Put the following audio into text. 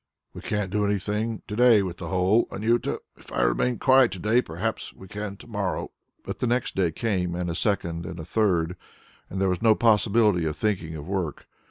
"We can't do anything to day with the hole, Anjuta! If I remain quiet to day, perhaps we can to morrow." But the next day came, and a second, and a third, and there was no possibility of thinking of work.